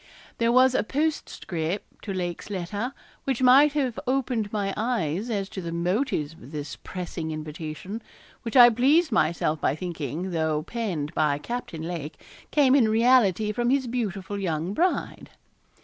There was a postscript to Lake's letter which might have opened my eyes as to the motives of this pressing invitation, which I pleased myself by thinking, though penned by Captain Lake, came in reality from his beautiful young bride.